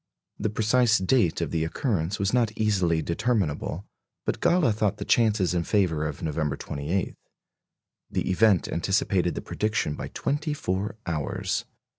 The precise date of the occurrence was not easily determinable, but Galle thought the chances in favour of November 28. The event anticipated the prediction by twenty four hours.